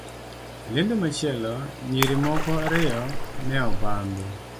E lendo machielo, nyiri moko ariyo ne obambi,